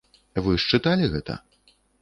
Вы ж чыталі гэта?